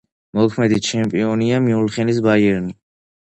მოქმედი ჩემპიონია „რეალ მადრიდი“.